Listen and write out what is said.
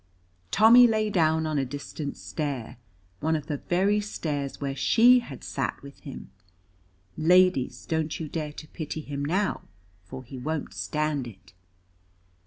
Tommy lay down on a distant stair, one of the very stairs where she had sat with him. Ladies, don't you dare to pity him now, for he won't stand it.